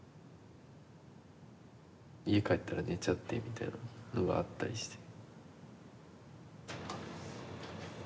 家帰ったら寝ちゃってみたいなのがあったりして。